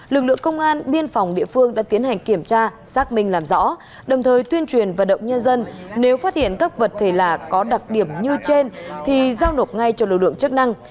lực lượng công an biên phòng địa phương đã tiến hành kiểm tra xác minh làm rõ đồng thời tuyên truyền vận động nhân dân nếu phát hiện các vật thể lạ có đặc điểm như trên thì giao nộp ngay cho lực lượng chức năng